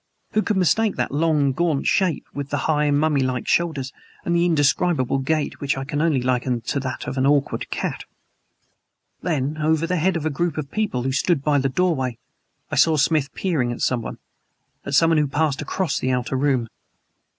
Who could mistake that long, gaunt shape, with the high, mummy like shoulders, and the indescribable gait, which I can only liken to that of an awkward cat? Then, over the heads of a group of people who stood by the doorway, I saw Smith peering at someone at someone who passed across the outer room.